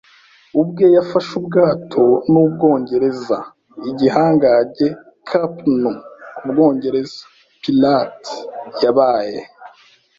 ubwe. Yafashe ubwato n'Ubwongereza, igihangange Cap'n Ubwongereza, pirate. Yabaye